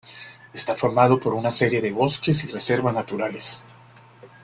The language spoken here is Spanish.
Está formado por una serie de bosques y reservas naturales.